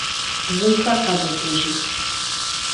Bzıuxer khebıbıjıx.